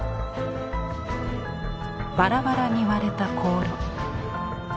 バラバラに割れた香炉。